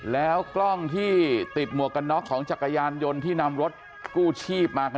แล้วกล้องที่ติดหมวกกันน็อกของจักรยานยนต์ที่นำรถกู้ชีพมา